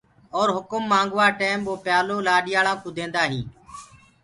اور هُڪم منگوآ ٽيم وو پيآلو لآڏاݪا ڪوٚ ديندآ هينٚ۔